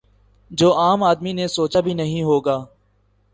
جو عام آدمی نے سوچا بھی نہیں ہو گا